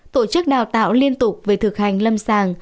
tổ chức đào tạo liên tục về thực hành lâm sàng